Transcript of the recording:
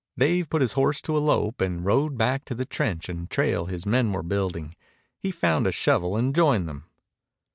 Dave put his horse to a lope and rode back to the trench and trail his men were building. He found a shovel and joined them.